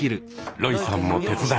ロイさんも手伝います。